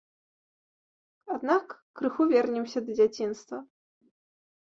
Аднак крыху вернемся да дзяцінства.